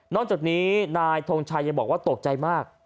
จากนี้นายทงชัยยังบอกว่าตกใจมาก